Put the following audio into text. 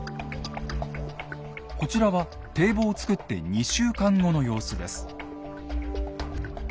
こちらは堤防を造って２週間後の様子です。